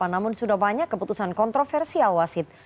namun sudah banyak keputusan kontroversial wasit